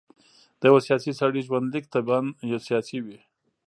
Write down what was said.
د یوه سیاسي سړي ژوندلیک طبعاً سیاسي وي.